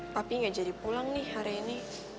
tapi gak jadi pulang nih hari ini